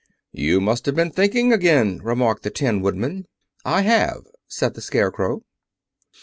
"You must have been thinking again," remarked the Tin Woodman. "I have," said the Scarecrow.